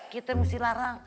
kita mesti larang